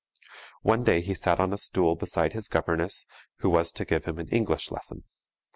One day he sat on a stool beside his governess, who was to give him an English lesson.